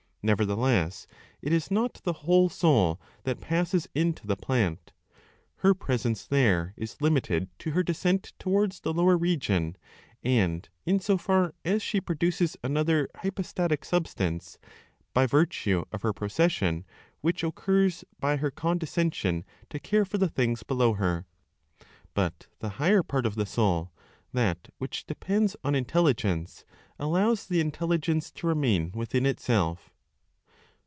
Nevertheless it is not the whole soul that passes into the plant. Her presence there is limited to her descent towards the lower region, and in so far as she produces another hypostatic substance, by virtue of her procession, which occurs by her condescension to care for the things below her. But the higher part of the Soul, that which depends on Intelligence, allows the Intelligence to remain within itself....